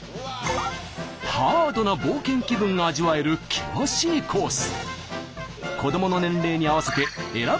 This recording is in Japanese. ハードな冒険気分が味わえる険しいコース。